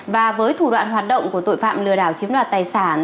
và với thủ đoạn hoạt động của tội phạm lừa đảo chiếm đoạt tài sản